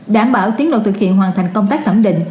đảm bảo tiến độ thực hiện hoàn thành công tác thẩm định